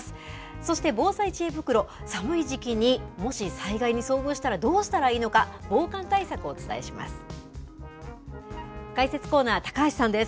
そして、防災知恵袋、寒い時期にもし災害に遭遇したらどうしたらいいのか、防寒対策をお伝えします。